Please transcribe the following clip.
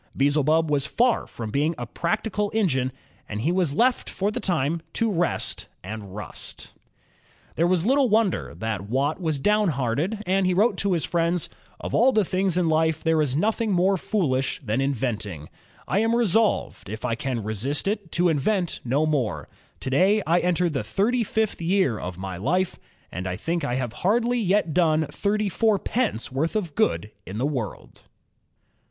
Beelzebub was far from being a practical engine, and he was left for the time to rest and rust. INVENTORS AND INVENTIONS — 2 l8 INVENTIONS OK STEAM AND ELECTRIC POWER There is little wonder that Watt was downhearted and wrote to his fiiends: "Of all things in life, there is nothing more foolish than in venting." "I am re solved ... if I can resist it, to invent no more." "To day I enter the thirty fifth year of my life, and I think I have hardly yet done thirty four pence worth of good in the world."